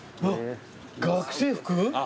学生服？